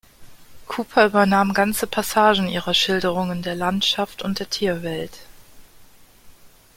Cooper übernahm ganze Passagen ihrer Schilderungen der Landschaft und der Tierwelt.